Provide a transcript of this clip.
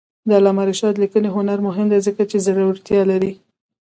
د علامه رشاد لیکنی هنر مهم دی ځکه چې زړورتیا لري.